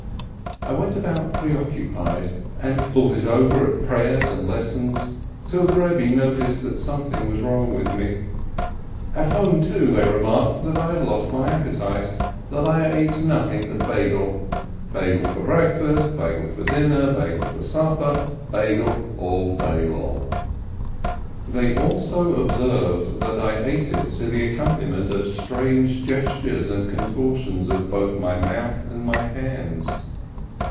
I went about pre occupied, thought it over at prayers and at lessons, till the Rebbe noticed that something was wrong with me. At home, too, they remarked that I had lost my appetite, that I ate nothing but Beigel — Beigel for break fast, Beigel for dinner, Beigel for supper, Beigel all day long. They also observed that I ate it to the accompaniment of strange gestures and contortions of both my mouth and my hands.